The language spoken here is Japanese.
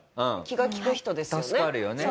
気が利く人ですよね。